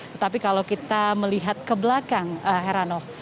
tetapi kalau kita melihat ke belakang heranov